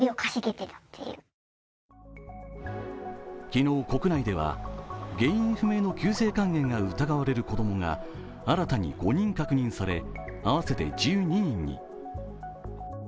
昨日国内では原因不明の急性肝炎が疑われる子供が新たに５人確認され、合わせて１２人に。